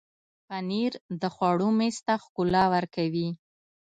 پنېر د خوړو میز ته ښکلا ورکوي.